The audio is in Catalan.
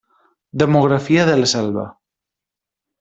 Demografia de La Selva.